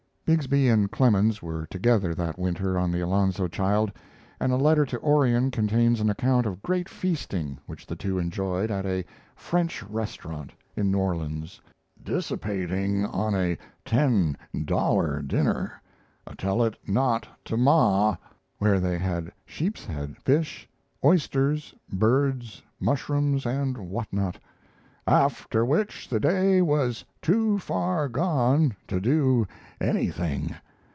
Bixby and Clemens were together that winter on the Alonzo Child, and a letter to Orion contains an account of great feasting which the two enjoyed at a "French restaurant" in New Orleans "dissipating on a ten dollar dinner tell it not to Ma!" where they had sheepshead fish, oysters, birds, mushrooms, and what not, "after which the day was too far gone to do anything."